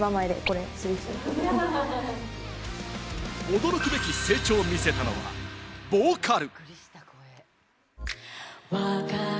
驚くべき成長を見せたのがボーカル。